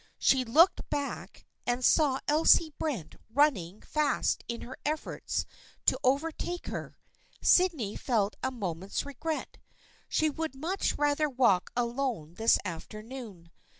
She looked back and saw THE FRIENDSHIP OF ANNE 111 Elsie Brent running fast in her efforts to overtake her. Sydney felt a moment's regret. She would much rather walk alone this afternoon.